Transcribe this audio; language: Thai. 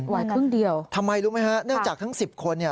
วันครึ่งเดียวทำไมรู้ไหมครับเนื่องจากทั้ง๑๐คน